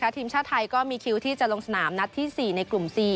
ทีมชาติไทยก็มีคิวที่จะลงสนามนัดที่๔ในกลุ่ม๔